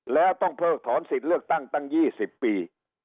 แล้วต้องเพิกถอนสิทธิ์เลือกตั้งตั้ง๒๐ปี